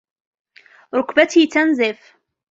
ركبتي تنزف.